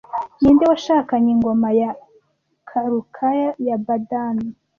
Ninde washenye Ingoma ya Chalukya ya Badami